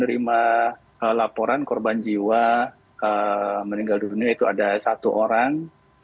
menerima laporan korban jiwa meninggal dunia itu ada satu orang